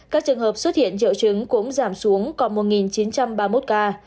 các trường hợp xuất hiện triệu chứng cũng giảm xuống còn một chín trăm ba mươi một ca